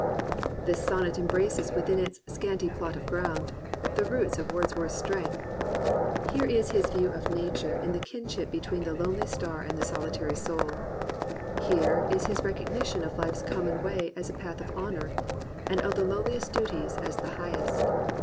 This sonnet embraces within its "scanty plot of ground" the roots of Wordsworth's strength. Here is his view of nature in the kinship between the lonely star and the solitary soul. Here is his recog nition of life's common way as the path of honour, and of the lowliest duties as the highest.